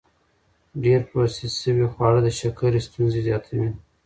ډېر پروسس شوي خواړه د شکرې ستونزې زیاتوي.